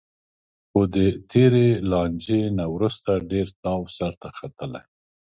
خو د تېرې لانجې نه وروسته ډېر تاو سرته ختلی